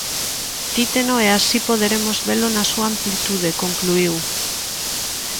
"Cíteno e así poderemos velo na súa amplitude", concluíu.